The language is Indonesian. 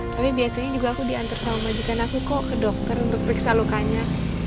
tapi biasanya juga aku diantar sama majikan aku kok ke dokter untuk periksa lukanya